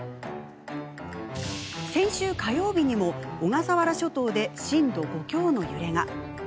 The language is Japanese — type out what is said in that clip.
先週火曜日にも小笠原諸島で震度５強の揺れが。